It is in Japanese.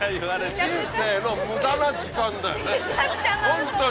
人生の無駄な時間だよねホントに。